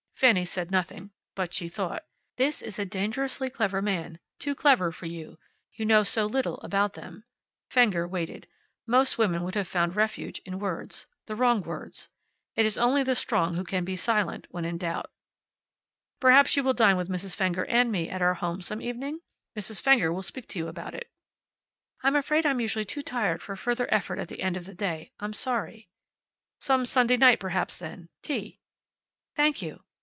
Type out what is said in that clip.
Fanny said nothing. But she thought, "This is a dangerously clever man. Too clever for you. You know so little about them." Fenger waited. Most women would have found refuge in words. The wrong words. It is only the strong who can be silent when in doubt. "Perhaps you will dine with Mrs. Fenger and me at our home some evening? Mrs. Fenger will speak to you about it." "I'm afraid I'm usually too tired for further effort at the end of the day. I'm sorry " "Some Sunday night perhaps, then. Tea." "Thank you."